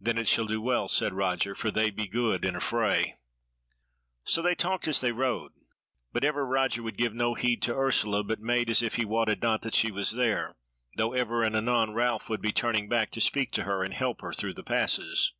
"Then it shall do well," said Roger, "for they be good in a fray." So talked they as they rode, but ever Roger would give no heed to Ursula. but made as if he wotted not that she was there, though ever and anon Ralph would be turning back to speak to her and help her through the passes.